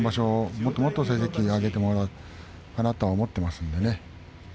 もっともっと成績を上げてもらいたいと思っていますかね。